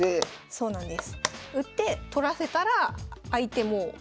そうなんです。